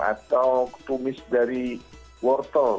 atau tumis dari wortel